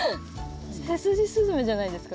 セスジスズメじゃないですか？